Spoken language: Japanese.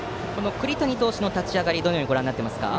栗谷投手の立ち上がりはどうご覧になっていますか？